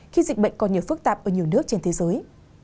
khi dịch bệnh còn nhiều phức tạp ở nhiều nước trên thế giới